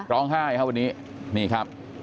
ร้องไห้ครับวันนี้นี่ครับ